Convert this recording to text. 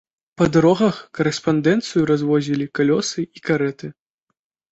Па дарогах карэспандэнцыю развозілі калёсы і карэты.